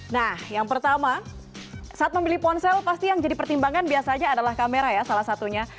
nah yang pertama saat membeli ponsel pasti yang jadi pertimbangan biasanya adalah kamera ya salah satunya